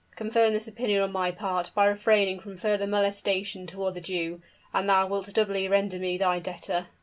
Confirm this opinion on my part, by refraining from further molestation toward the Jew, and thou wilt doubly render me thy debtor."